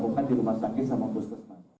berita terkini mengenai cuaca lebat di jawa tenggara